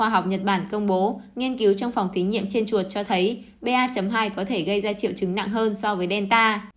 và các nhà khoa học nhật bản công bố nghiên cứu trong phòng thí nghiệm trên chuột cho thấy ba hai có thể gây ra triệu chứng nặng hơn so với delta